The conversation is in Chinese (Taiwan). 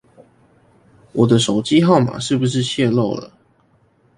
我手機號碼是不是洩露了